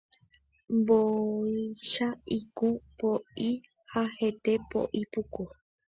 Mbóicha ikũ poʼi ha hete poʼi puku.